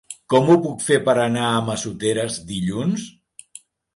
Com ho puc fer per anar a Massoteres dilluns?